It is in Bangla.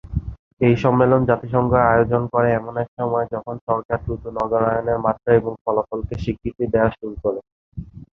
এই সম্মেলন জাতিসংঘ আয়োজন করে এমন এক সময়ে, যখন সরকার দ্রুত নগরায়নের মাত্রা এবং ফলাফলকে স্বীকৃতি দেয়া শুরু করে।